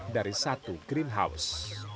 dari satu greenhouse